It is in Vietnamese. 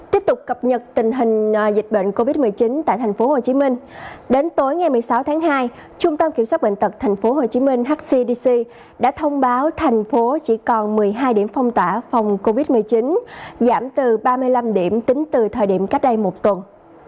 tiếp tục cập nhật tình hình dịch bệnh covid một mươi chín tại tp hcm đến tối ngày một mươi sáu tháng hai trung tâm kiểm soát bệnh tật tp hcm hcdc đã thông báo thành phố chỉ còn một mươi hai điểm phong tỏa phòng covid một mươi chín giảm từ ba mươi năm điểm tính từ thời điểm cách đây một tuần